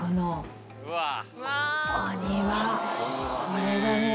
これがね